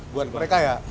buat mereka ya